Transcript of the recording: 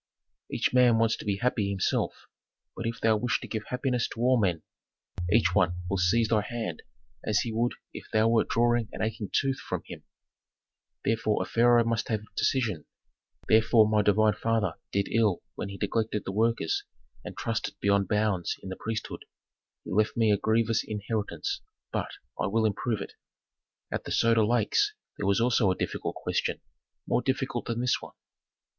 "Each man wants to be happy himself; but if thou wish to give happiness to all men, each one will seize thy hand as he would if thou wert drawing an aching tooth from him. "Therefore a pharaoh must have decision. Therefore my divine father did ill when he neglected the workers and trusted beyond bounds in the priesthood. He left me a grievous inheritance, but I will improve it. "At the Soda Lakes there was also a difficult question, more difficult than this one.